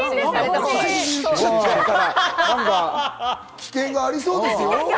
危険がありそうですよ？